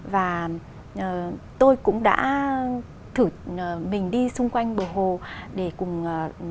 và tôi cũng đã thử mình đi xung quanh bờ hồ để cùng